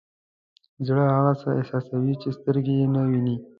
زړه هغه څه احساسوي چې سترګې یې نه ویني.